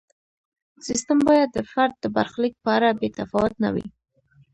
سیستم باید د فرد د برخلیک په اړه بې تفاوت نه وي.